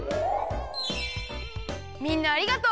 みんなありがとう！